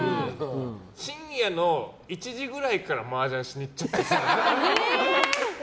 深夜の１時ぐらいからマージャンしに行ったりする。